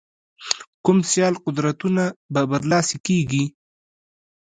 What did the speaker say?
کوم سیال قدرتونه به برلاسي کېږي.